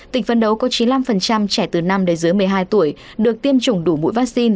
tỉnh phấn đấu có chín mươi năm trẻ từ năm đến dưới một mươi hai tuổi được tiêm chủng đủ mũi vaccine